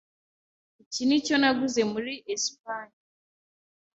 Iki nicyo naguze muri Espagne.